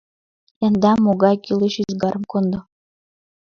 Яндам, могай кӱлеш ӱзгарым кондо!